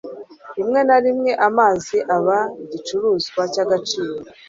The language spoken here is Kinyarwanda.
Rimwe na rimwe amazi aba igicuruzwa cyagaciro.